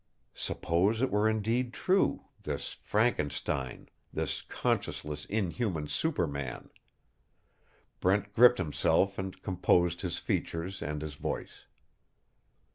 Suppose it were indeed true this Frankenstein, this conscienceless inhuman superman? Brent gripped himself and composed his features and his voice.